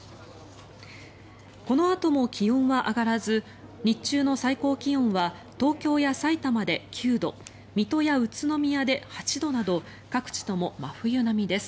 このあとも気温は上がらず日中の最高気温は東京やさいたまで９度水戸や宇都宮で８度など各地とも真冬並みです。